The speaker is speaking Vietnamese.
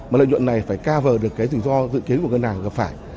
mà lợi nhuận này phải cover được cái rủi ro dự kiến của ngân hàng gặp phải